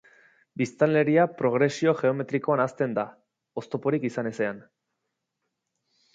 Biztanleria progresio geometrikoan hazten da, oztoporik izan ezean.